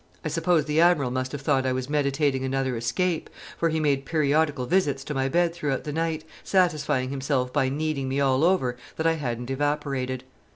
I suppose the Admiral must have thought I was meditating another escape, for he made periodical visits to my bed throughout the night, satisfying himself by kneading me all over that I hadn't evaporated.